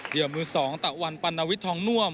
เรียบมือ๒ตะวันปันวิทย์ทองน่วม